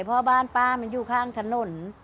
เพราะบ้านป้ามันอยู่ข้างถนน